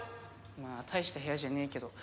まぁ大した部屋じゃねぇけどあっ